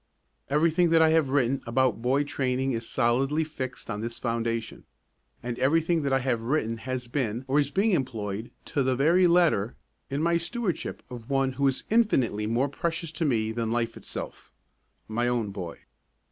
Everything that I have written about boy training is solidly fixed on this foundation; and everything that I have written has been or is being employed, to the very letter, in my stewardship of one who is infinitely more precious to me than life itself my own boy.